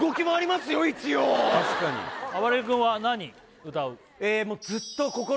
一応あばれる君は何歌う？